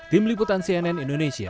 tim liputan cnn indonesia